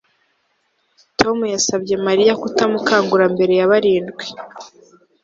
Tom yasabye Mariya kutamukangura mbere ya barindwi